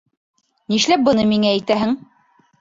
Нишләп быны миңә әйтәһең?